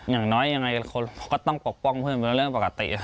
อย่างน้อยยังไงก็ต้องปกป้องเพื่อนเป็นเรื่องปกติ